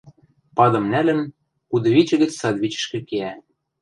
Падым нӓлӹн, кудывичӹ гӹц садвичӹшкӹ кеӓ.